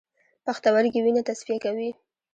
پښتورګي وینه تصفیه کوي